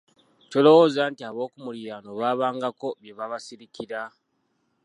Tolowooza nti ab'Okumiliraano baabangako byebasirikira